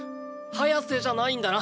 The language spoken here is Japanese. ハヤセじゃないんだな？